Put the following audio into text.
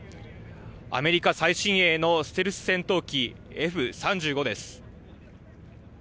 アメリカ最新鋭のステルス戦闘機Ｆ３５です。